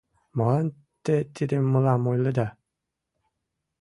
— Молан те тидым мылам ойледа?